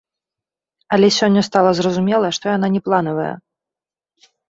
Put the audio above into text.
Але сёння стала зразумела, што яна не планавая.